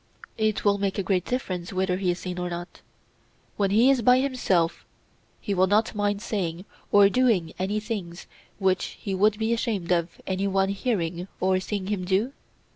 It will make a great difference whether he is seen or not. When he is by himself he will not mind saying or doing many things which he would be ashamed of any one hearing or seeing him do?